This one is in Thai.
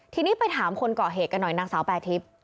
ทีนี้ไปถามคนเกาะเหตุกันหน่อยนางสาวแปรทิพย์